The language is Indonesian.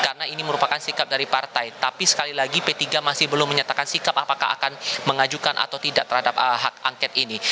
karena ini merupakan sikap dari partai tapi sekali lagi p tiga masih belum menyatakan sikap apakah akan mengajukan atau tidak terhadap hak angket ini